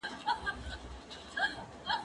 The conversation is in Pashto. زه پرون سندري واورېدلې؟!